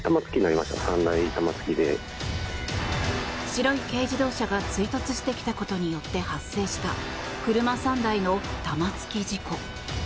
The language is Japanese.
白い軽自動車が追突してきたことによって発生した車３台の玉突き事故。